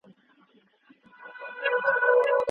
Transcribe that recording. د دې لوی نعمت لپاره.